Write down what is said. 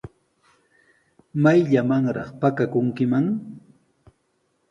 ¿Mayllamanraq pakakunkiman?